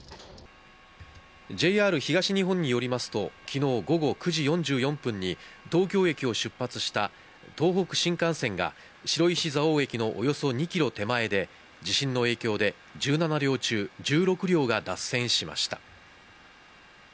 ＪＲ東日本によりますと昨日午後９時４４分に東京駅を出発した東北新幹線が白石蔵王駅のおよそ２キロ手前で地震の影響で１７両中１６両が脱線しました。